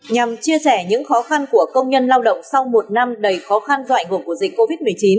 nhằm chia sẻ những khó khăn của công nhân lao động sau một năm đầy khó khăn do ảnh hưởng của dịch covid một mươi chín